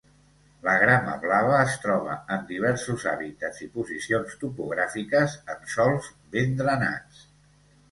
La grama blava es troba en diversos hàbitats i posicions topogràfiques en sòls ben drenats.